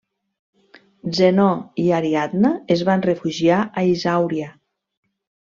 Zenó i Ariadna es van refugiar a Isàuria.